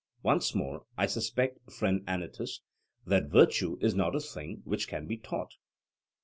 Once more, I suspect, friend Anytus, that virtue is not a thing which can be taught?